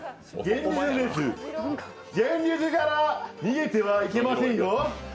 現実から逃げてはいけませんよ。